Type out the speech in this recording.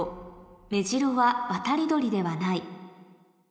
「メジロは渡り鳥ではない」